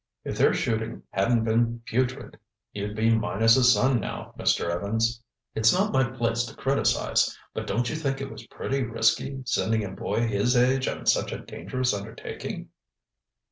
If their shooting hadn't been putrid, you'd be minus a son now, Mr. Evans. It's not my place to criticize, but don't you think it was pretty risky, sending a boy his age on such a dangerous undertaking?"